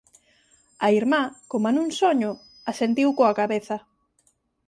A irmá, coma nun soño, asentiu coa cabeza.